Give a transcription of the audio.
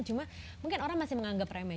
cuma mungkin orang masih menganggap remeh